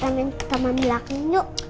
temenin ke taman belakang yuk